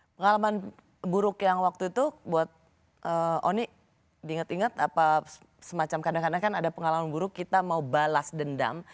pengalaman buruk yang waktu itu buat oni diinget inget semacam kadang kadang kan ada pengalaman buruk kita mau balas dendam